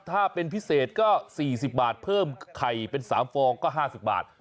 ถ้าเป็นพิเศษก็๔๐บาทเพิ่มไข่เป็น๓ฟองก็๕๐บาท